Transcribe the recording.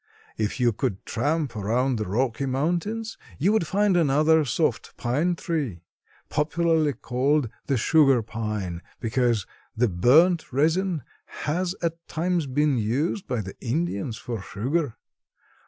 "If you could tramp around the Rocky Mountains you would find another soft pine tree, popularly called the sugar pine because the burnt resin has at times been used by the Indians for sugar.